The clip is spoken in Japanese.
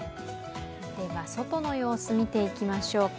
外の様子を見ていきましょうか。